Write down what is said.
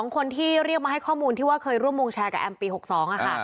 คนที่เรียกมาให้ข้อมูลที่ว่าเคยร่วมวงแชร์กับแอมปี๖๒ค่ะ